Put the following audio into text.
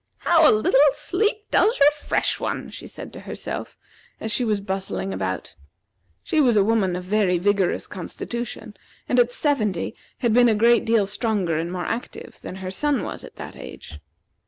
"How a little sleep does refresh one," she said to herself, as she was bustling about. She was a woman of very vigorous constitution, and at seventy had been a great deal stronger and more active than her son was at that age.